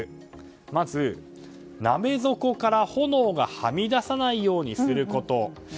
まず、鍋底から炎がはみ出さないようにすること。